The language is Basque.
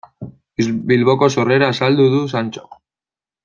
Bilboko sorrera azaldu du Santxok.